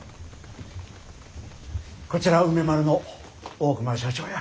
こちら梅丸の大熊社長や。